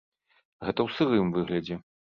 Гэта ў сырым выглядзе.